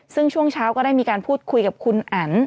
ซึ่งช่วงเช้าก็ได้มีการพูดคุยกับคุณอัน